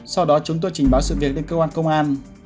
sau đó chúng tôi trình báo sự việc lên cơ quan công an